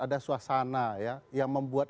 ada suasana ya yang membuat